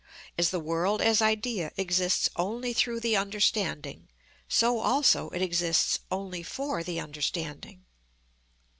As the world as idea exists only through the understanding, so also it exists only for the understanding.